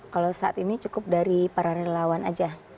kalau saat ini cukup dari para relawan aja